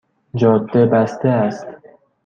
جاده بسته است